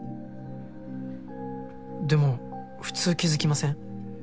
でも普通気付きません？